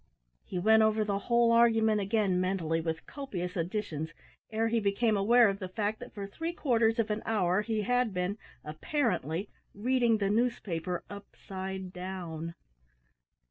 He went over the whole argument again, mentally, with copious additions, ere he became aware of the fact, that for three quarters of an hour he had been, (apparently), reading the newspaper upside down.